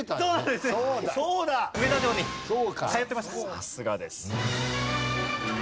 さすがです。